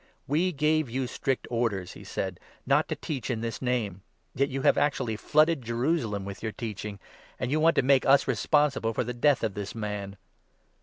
" We gave you strict orders," he said, " not to teach in this 28 Name. Yet you have actually flooded Jerusalem with your teaching, and you wajit to make us responsible for the death of this man."